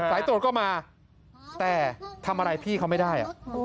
ใสถูกก็มาแต่ทำอะไรพี่เขาไม่ได้